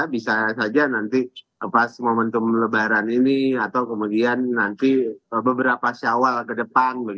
bisa saja nanti pas momentum lebaran ini atau kemudian nanti beberapa syawal ke depan